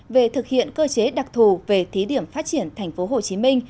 về thực hiện cơ chế đặc thù về thí điểm phát triển tp hcm